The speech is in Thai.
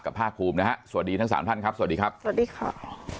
ภาคภูมินะฮะสวัสดีทั้งสามท่านครับสวัสดีครับสวัสดีค่ะ